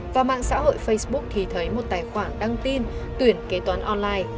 vào mạng xã hội facebook thì thấy một tài khoản đăng tin tuyển kế toán online